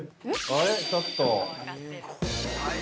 あれ、ちょっと。